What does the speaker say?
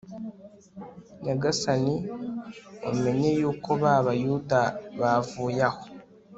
Nyagasani umenye yuko ba Bayuda bavuye aho